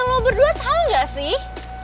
kalau berdua tau gak sih